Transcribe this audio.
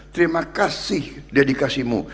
terima kasih dedikasimu